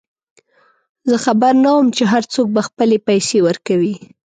زه خبر نه وم چې هرڅوک به خپلې پیسې ورکوي.